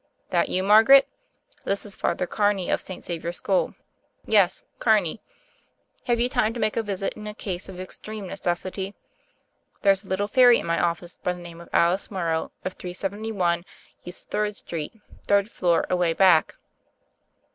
"That you, Margaret? This is Father Car ney of St. Xavier School. Yes — Carney. Have you time to make a visit in a case of extreme necessity? There's a little fairy in my office by THE FAIRY OF THE SNOWS 17 the name of Alice Morrow of 371 E. Third St., third floor, away back.